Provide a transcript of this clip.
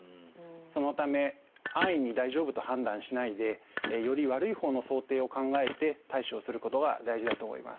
そのため安易に大丈夫と判断しないでより悪いほうの想定を考えて対処をすることが大事だと思います。